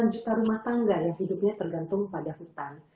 delapan juta rumah tangga yang hidupnya tergantung pada hutan